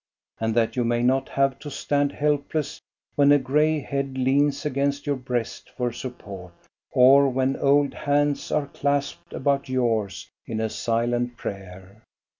And that you may not have to stand helpless when a gray head leans against your breast for support, or when old hands are clasped about yours in a silent prayer.